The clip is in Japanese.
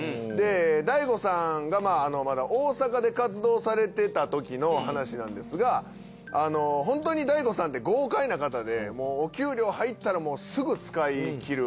大悟さんがまだ大阪で活動されてたときの話なんですが本当に大悟さんて豪快な方でもうお給料入ったらすぐ使い切る。